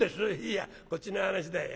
「いやこっちの話だい。